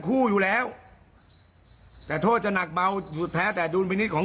จะต้องมีความผิดจะต้องมีบาปติดตัวไปตลอดชีวิตแน่นอน